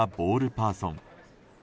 パーソン。